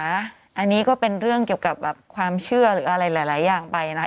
อันนี้ก็เป็นเรื่องเกี่ยวกับความเชื่อหรืออะไรหลายอย่างไปนะ